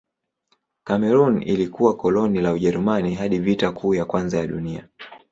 Kamerun ilikuwa koloni la Ujerumani hadi Vita Kuu ya Kwanza ya Dunia.